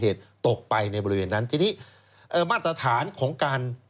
ตกไปในบริเวณนั้นทีนี้มาตรฐานของการ